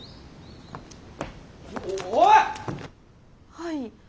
はい。